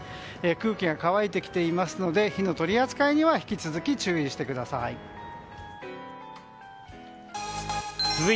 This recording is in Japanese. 空気が乾いてきていますので火の取り扱いには引き続き注意してください。